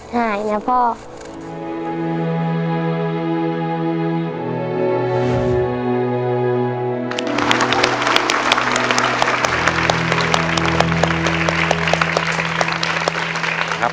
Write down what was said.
หายนะพ่อ